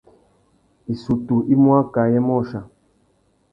Issutu i mú akā ayê môchia.